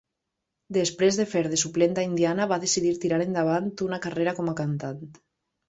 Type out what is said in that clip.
Després de fer de suplent a Indiana, va decidir tirar endavant una carrera com a cantant.